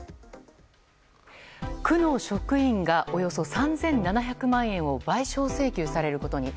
区の職員がおよそ３７００万円を賠償請求されることに。